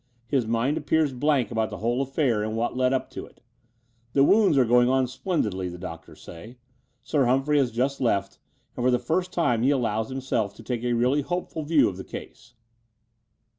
His mind appears blank about the whole affair and what led up to it. The wounds are going on splendidly, the doctors say. Sir Humphrey has just left: and for the first time he allows himself to take a really hop^ul view of the case."